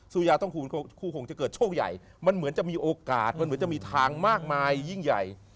ยาต้องคูณคู่คงจะเกิดโชคใหญ่มันเหมือนจะมีโอกาสมันเหมือนจะมีทางมากมายยิ่งใหญ่